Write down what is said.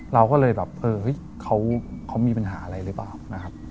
เราก็เลยแบบเฮ้ยเขามีปัญหาอะไรหรือเปล่า